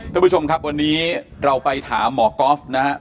ท่านผู้ชมครับวันนี้เราไปถามหมอก๊อฟนะฮะ